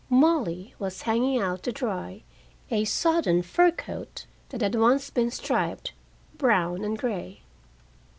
Molly was hanging out to dry a sodden fur coat, that had once been striped, brown and gray.